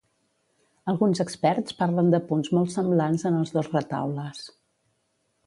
Alguns experts parlen de punts molt semblants en els dos retaules.